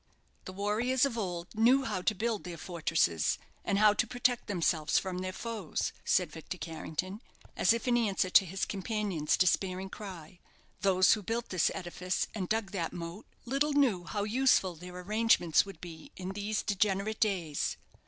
"The warriors of old knew how to build their fortresses, and how to protect themselves from their foes," said Victor Carrington, as if in answer to his companion's despairing cry. "Those who built this edifice and dug that moat, little knew how useful their arrangements would be in these degenerate days.